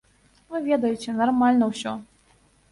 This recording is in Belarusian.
Вы ведаеце, нармальна ўсё.